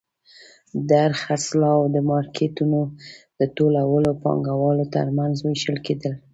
د خرڅلاو مارکېټونه د ټولو پانګوالو ترمنځ وېشل کېدل